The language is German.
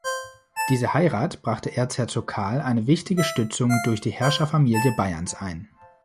Diese Heirat brachte Erzherzog Karl eine wichtige Stützung durch die Herrscherfamilie Bayerns ein.